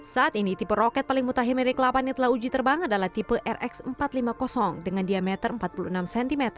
saat ini tipe roket paling mutahir dari kelapa yang telah uji terbang adalah tipe rx empat ratus lima puluh dengan diameter empat puluh enam cm